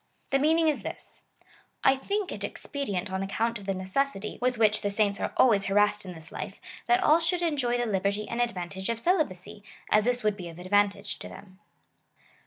The mean ing is this :" I think it expedient on account of the neces sity, with which the saints are always harassed in this life, that all should enjoy the liberty and advantage of celibacy, as this would be of advantage to them."